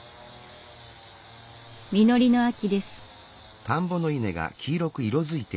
実りの秋です。